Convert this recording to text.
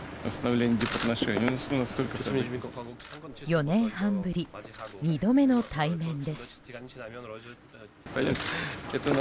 ４年半ぶり２度目の対面です。